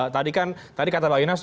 tadi kan tadi kata bang inas